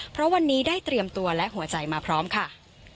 เพราะวันนี้ได้เตรียมตัวและหัวใจมาพร้อมค่ะ